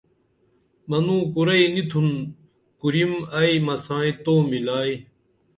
منوں کُرئی نی تُھن کُرِم ائی مسائی تو ملائی